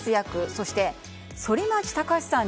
そして、反町隆史さん